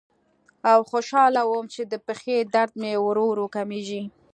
او خوشاله وم چې د پښې درد مې ورو ورو کمیږي.